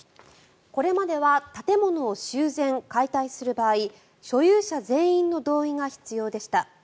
これまでは建物を修繕・解体する場合所有者全員の同意が必要でした。